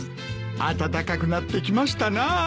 暖かくなってきましたなあ。